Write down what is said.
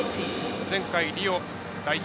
前回、リオ代表。